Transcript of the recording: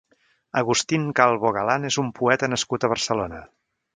Agustín Calvo Galán és un poeta nascut a Barcelona.